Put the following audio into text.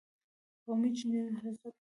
قومي جنجالونه حقیقت نه ښيي.